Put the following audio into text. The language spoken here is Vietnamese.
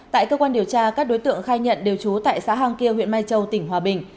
tại cơ quan điều tra các đối tượng khai nhận đều trú tại xã hàng kia huyện mai châu tỉnh hòa bình